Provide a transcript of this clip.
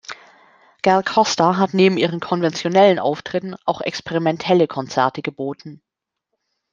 Gal Costa hat neben ihren konventionellen Auftritten auch experimentelle Konzerte geboten.